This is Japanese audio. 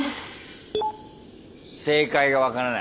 「正解がわからない」。